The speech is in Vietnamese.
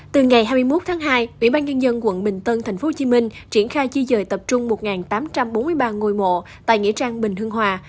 từ ngày hai mươi một tháng hai ubnd quận bình tân tp hcm triển khai di rời tập trung một tám trăm bốn mươi ba ngôi mộ tại nghĩa trang bình hương hòa